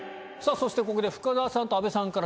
そしてここで深澤さんと阿部さんから。